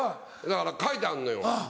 だから書いてあんのよ。